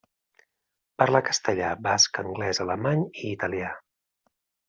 Parla castellà, basc, anglès, alemany i italià.